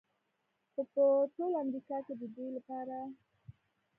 خو په ټول امریکا کې د دوی لپاره x